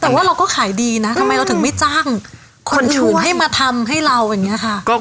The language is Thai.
แต่ว่าเราก็ขายดีนะทำไมเราถึงไม่จ้างคนชูให้มาทำให้เราอย่างนี้ค่ะ